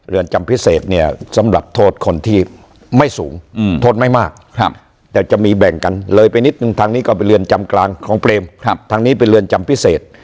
จำพิเศษเนี่ยสำหรับโทษคนที่ไม่สูงโทษไม่มากแต่จะมีแบ่งกันเลยไปนิดนึงทางนี้ก็เป็นเรือนจำกลางของเปรมทางนี้เป็นเรือนจำพิเศษ